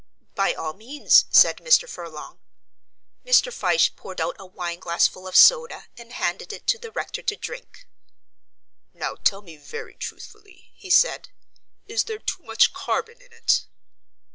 "By all means," said Mr. Furlong. Mr. Fyshe poured out a wineglassful of soda and handed it to the rector to drink. "Now tell me very truthfully," he said, "is there too much carbon in it?"